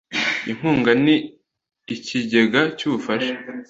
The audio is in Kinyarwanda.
inkunga n ikigega cy ubufasha